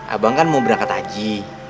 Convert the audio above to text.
abang kan mau berangkat haji